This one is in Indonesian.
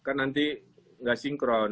kan nanti enggak sinkron